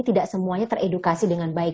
tidak semuanya teredukasi dengan baik